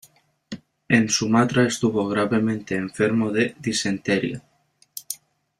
En Sumatra estuvo gravemente enfermo de disentería.